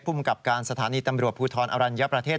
ภูมิกับการสถานีตำรวจภูทรอรัญญประเทศ